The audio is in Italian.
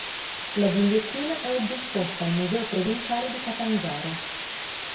La ghigliottina è oggi esposta al museo provinciale di Catanzaro.